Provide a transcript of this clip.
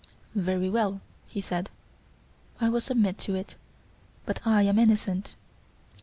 "Very well," he said; "I will submit to it; but I am innocent."